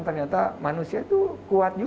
ternyata manusia itu kuat juga